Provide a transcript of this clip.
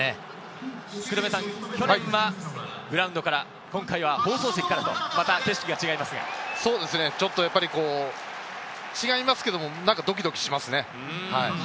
福留さん、去年はグラウンドから、今回は放送席からまた景色が違いますが、そうですね、違いますけれどドキドキしますね。